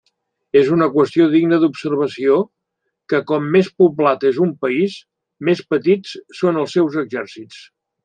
És una qüestió digna d'observació que com més poblat és un país més petits són els seus exèrcits.